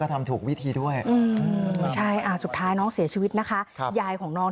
ทำถูกวิธีด้วยใช่สุดท้ายน้องเสียชีวิตนะคะยายของน้อง